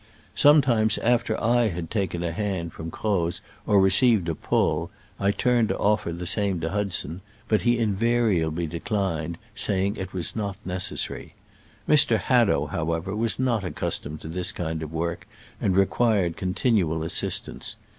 Sometimes, after I had taken a hand from Crozijr received a pull, I turned to offer the same to Hudson, but he invariably de clined, saying it was not necessary. Mr. Hadow, however, was not accustomed to this kind of work, and required con tinual assistance.